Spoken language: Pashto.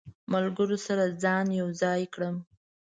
ملګرو سره ځان یو ځای کړم.